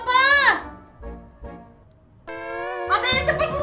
aduh cepet buruan